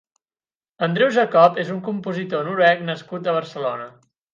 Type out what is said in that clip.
Andreu Jacob és un compositor noruec nascut a Barcelona.